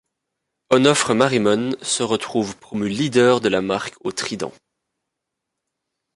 Onofre Marimón se retrouve promu leader de la marque au Trident.